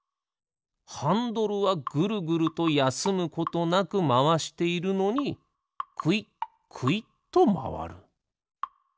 ハンドルはぐるぐるとやすむことなくまわしているのにくいっくいっとまわる。